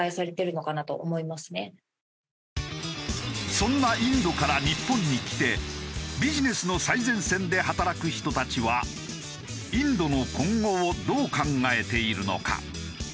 そんなインドから日本に来てビジネスの最前線で働く人たちはインドの今後をどう考えているのか？